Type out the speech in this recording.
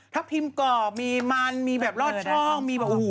ทับพิมพ์กรอบมีมันมีรอดช่อง